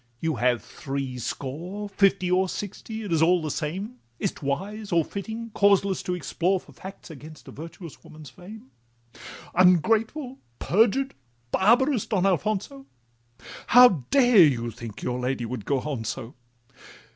—you have threescore— Fifty, or sixty, it is all the same— Is 't wise or fitting, causeless to explore For facts against a virtuous woman's fame? Ungrateful, perjured, barbarous Don Alfonso, How dare you think your lady would go on so?